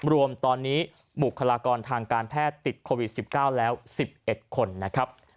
รวมตอนนี้บุคลากรทางการแพทย์ติดโควิด๑๙แล้ว๑๑คนนะครับ